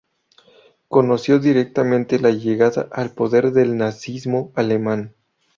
Conoció directamente la llegada al poder del nazismo alemán.